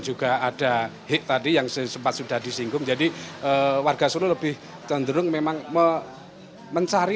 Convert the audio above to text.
juga ada hik tadi yang sempat sudah disinggung jadi warga solo lebih cenderung memang mencari